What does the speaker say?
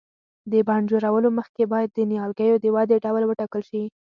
د بڼ جوړولو مخکې باید د نیالګیو د ودې ډول وټاکل شي.